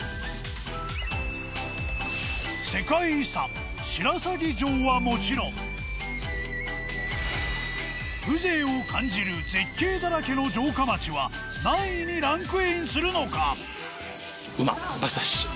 世界遺産白鷺城はもちろん風情を感じる絶景だらけの城下町は何位にランクインするのか？